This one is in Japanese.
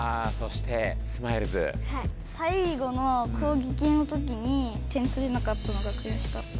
最後の攻撃のときに点とれなかったのがくやしかった。